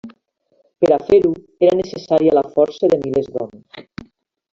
Per a fer-ho, era necessària la força de milers d'homes.